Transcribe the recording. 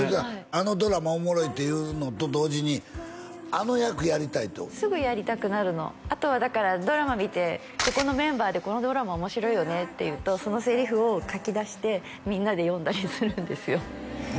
あのドラマおもろいっていうのと同時にあの役やりたいとすぐやりたくなるのあとはだからドラマ見てここのメンバーでこのドラマ面白いよねって言うとそのセリフを書き出してみんなで読んだりするんですよ